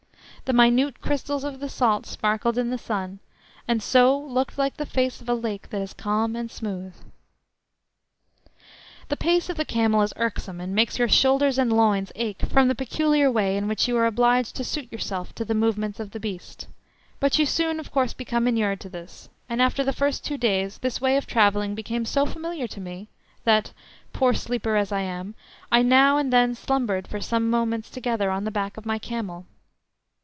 The minute crystals of the salt sparkled in the sun, and so looked like the face of a lake that is calm and smooth. The pace of the camel is irksome, and makes your shoulders and loins ache from the peculiar way in which you are obliged to suit yourself to the movements of the beast, but you soon of course become inured to this, and after the first two days this way of travelling became so familiar to me, that (poor sleeper as I am) I now and then slumbered for some moments together on the back of my camel.